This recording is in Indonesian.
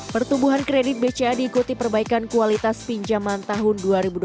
pertumbuhan kredit bca diikuti perbaikan kualitas pinjaman tahun dua ribu dua puluh